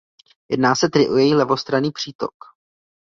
Jedná se tedy o její levostranný přítok.